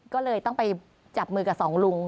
ก็เลยต้องไปจับมือกับสองลุง